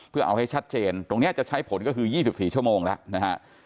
เพื่อเอาให้ชัดเจนตรงนี้จะใช้ผลก็คือ๒๔ชั่วโมงแล้วนะฮะ